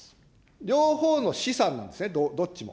両方の資産なんですね、どっちも。